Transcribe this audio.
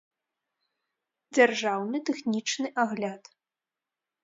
дзяржаўны тэхнічны агляд